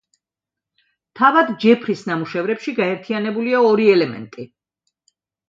თავად ჯეფრის ნამუშევრებში გაერთიანებულია ორი ელემენტი.